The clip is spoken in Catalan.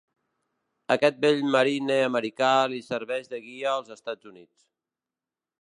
Aquest vell Marine americà li serveix de guia als Estats Units.